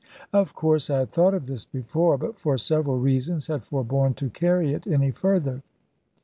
Of course I had thought of this before; but for several reasons had forborne to carry it any further.